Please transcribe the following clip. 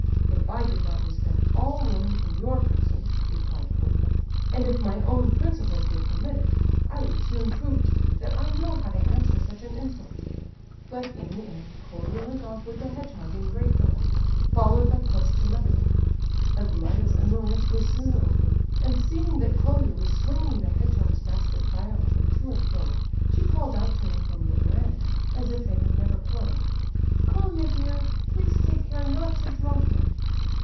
"If I did not respect all women in your person," replied Colia, "and if my own principles would permit it, I would soon prove to you, that I know how to answer such an insult!" But, in the end, Colia went off with the hedgehog in great delight, followed by Kostia Lebedeff. Aglaya's annoyance was soon over, and seeing that Colia was swinging the hedgehog's basket violently to and fro, she called out to him from the verandah, as if they had never quarrelled: "Colia, dear, please take care not to drop him!"